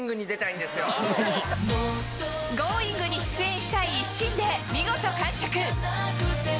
Ｇｏｉｎｇ！に出演したい一心で見事完食。